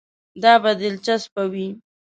دا به دلچسپه وي.